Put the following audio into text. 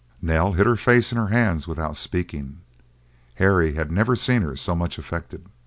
Nell hid her face in her hands without speaking. Harry had never seen her so much affected.